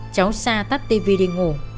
cháu sa tắt tivi đi ngủ